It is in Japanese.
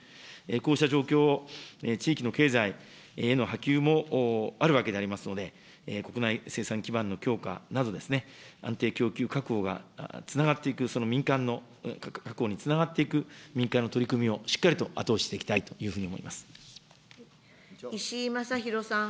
こうした状況を、地域の経済への波及もあるわけでありますので、国内生産基盤の強化など、安定供給確保がつながっていく、その民間の確保につながっていく、民間の取り組みをしっかりと後押ししていきたいというふうに思い石井正弘さん。